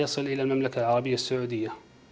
di kedai arab saudi